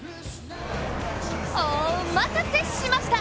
おまたせしました！